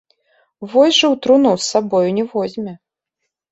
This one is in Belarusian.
Вось жа ў труну з сабою не возьме.